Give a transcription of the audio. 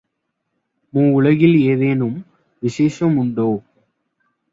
மூவுலகில் ஏதேனும் விசேஷ முண்டோ?